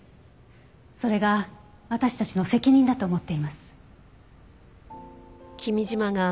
それが私たちの責任だと思っています。